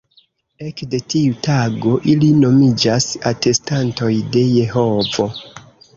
Ekde tiu tago, ili nomiĝas "Atestantoj de Jehovo".